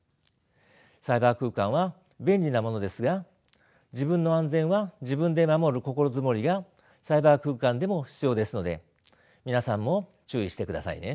サイバー空間は便利なものですが自分の安全は自分で守る心づもりがサイバー空間でも必要ですので皆さんも注意してくださいね。